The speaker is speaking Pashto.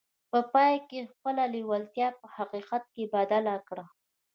په پای کې يې خپله لېوالتیا په حقيقت بدله کړه.